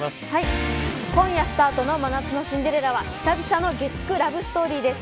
今夜スタートの真夏のシンデレラは久々の月９ラブストーリーです。